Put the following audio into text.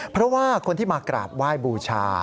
เพราะว่าคนที่มากราบไหว้บูชา